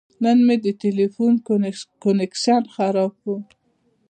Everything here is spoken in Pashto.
نن مې د تلیفون کنکشن خراب و.